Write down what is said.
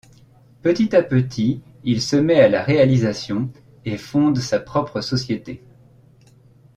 Petit à petit il se met à la réalisation et fonde sa propre société.